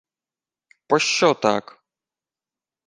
— Пощо так?